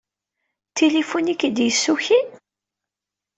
D tilifun i k-d-yessukin?